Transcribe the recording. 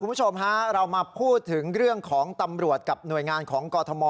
คุณผู้ชมฮะเรามาพูดถึงเรื่องของตำรวจกับหน่วยงานของกรทม